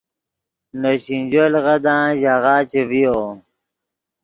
نے سینجو لیغدان ژاغہ چے ڤیو